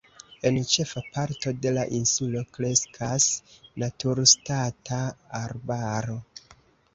En ĉefa parto de la insulo kreskas naturstata arbaro.